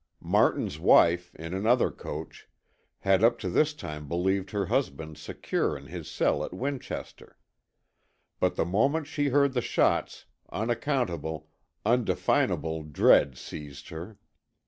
Martin's wife, in another coach, had up to this time believed her husband secure in his cell at Winchester. But the moment she heard the shots, unaccountable, undefinable dread seized her.